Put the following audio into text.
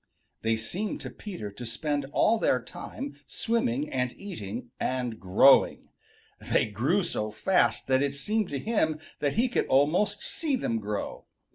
They seemed to Peter to spend all their time swimming and eating and growing. They grew so fast that it seemed to him that he could almost see them grow.